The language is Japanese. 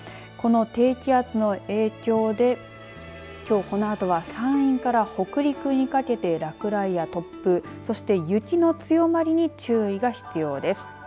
この低気圧の影響できょう、このあとは山陰から北陸にかけて落雷や突風、そして雪の強まりに注意が必要です。